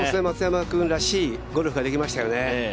松山君らしいゴルフができましたよね。